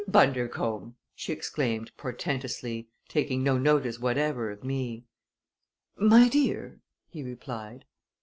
Bundercombe!" she exclaimed portentously, taking no notice whatever of me. "My dear?" he replied.